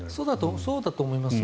そうだと思いますね。